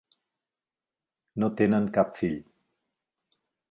No tenen cap fill.